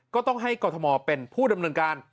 ก็ต้องให้กรทมเป็นผู้ดำเนินการ